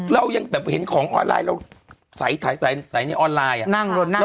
เรายังแบบเห็นของออนไลน์เราสายสายสายสายนี้ออนไลน์อ่ะนั่งรถนั่ง